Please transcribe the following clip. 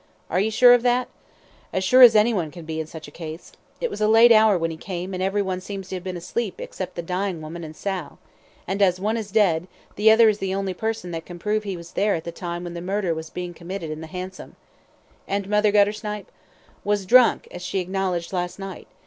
"Are you sure of that?" "As sure as anyone can be in such a case. It was a late hour when he came, and everyone seems to have been asleep except the dying woman and Sal; and as one is dead, the other is the only person that can prove that he was there at the time when the murder was being committed in the hansom." "And Mother Guttersnipe?" "Was drunk, as she acknowledged last night.